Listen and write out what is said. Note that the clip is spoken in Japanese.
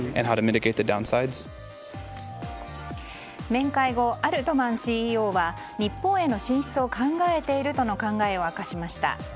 面会後、アルトマンＣＥＯは日本への進出を考えているとの考えを明かしました。